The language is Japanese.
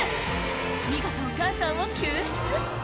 見事お母さんを救出